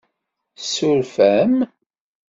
Tsuref-am?